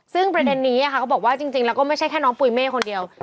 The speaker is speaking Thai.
ซึ่งประเด็นนี้เขาบอกว่าจริงแล้วก็ไม่ใช่แค่น้องปุ๋ยเมฆคนเดียว